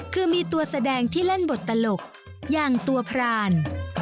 คือมีตัวแสดงที่เล่นบทตลกอย่างตัวพราน